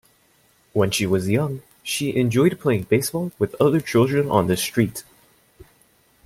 When she was young, she enjoyed playing baseball with other children on the street.